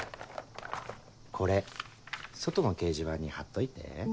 これ外の掲示板に張っといて。